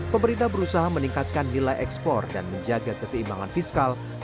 pemerintah berusaha meningkatkan nilai ekspor dan menjaga keseimbangan fiskal